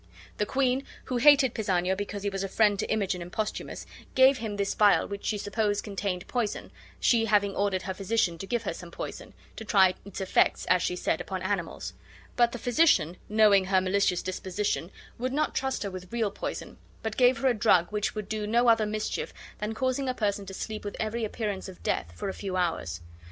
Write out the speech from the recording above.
The queen, who hated Pisanio because he was a friend to Imogen and Posthumus, gave him this vial, which she supposed contained poison, she having ordered her physician to give her some poison, to try its effects (as she said) upon animals; but the physician, knowing her malicious disposition, would not trust her with real poison, but gave her a drug which would do no other mischief than causing a person to sleep with every appearance of death for a few hours.